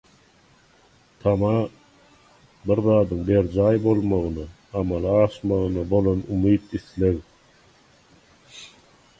Tama - Bir zadyň berjaý bolmagyna, amala aşmagyna bolan umyt isleg.